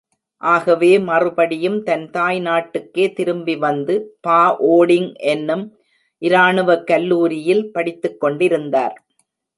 ஆகவே மறுபடியும் தன் தாய் நாட்டுக்கே திரும்பி வந்து பா ஓடிங் எனும் இராணுவ கல்லூரியில் படித்துக் கொண்டிருந்தார்.